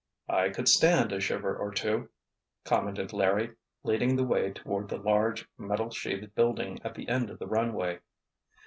"I could stand a shiver or two," commented Larry, leading the way toward the large, metal sheathed building at the end of the runway.